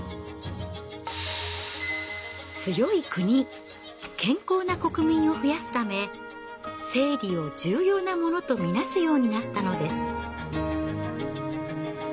強い国健康な国民を増やすため生理を重要なものと見なすようになったのです。